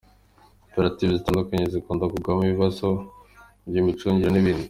Koperative zitandukanye zikunda kuvugwamo ibibazo by’imicungire n’ibindi.